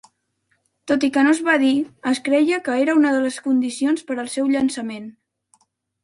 Tot i que no es va dir, es creia que era una de les condicions per al seu llançament.